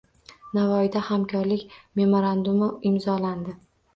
Navoiyda hamkorlik memorandumi imzolandi